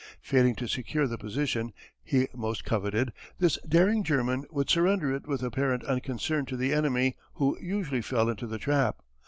Failing to secure the position he most coveted, this daring German would surrender it with apparent unconcern to the enemy who usually fell into the trap.